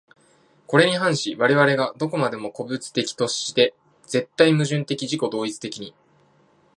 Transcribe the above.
これに反し我々が何処までも個物的として、絶対矛盾的自己同一的に、